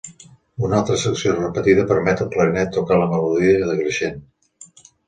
Una altra secció repetida permet al clarinet tocar la melodia decreixent.